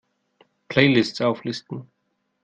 Playlists auflisten!